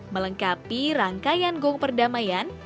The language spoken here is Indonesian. melengkapi rangkaian gong perdamaian